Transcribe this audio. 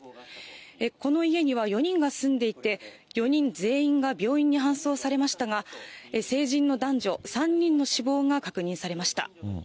この家には４人が住んでいて、４人全員が病院に搬送されましたが、成人の男女３人の死亡が確認されました。